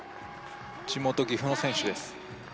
地元岐阜の選手です